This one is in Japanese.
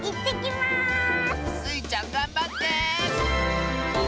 スイちゃんがんばって！